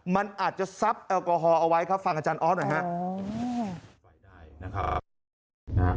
มันอาจจะซับแอลกอฮอลเอาไว้ครับฟังอาจารย์ออสหน่อยครับ